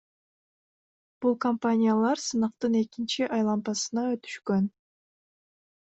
Бул компаниялар сынактын экинчи айлампасына өтүшкөн.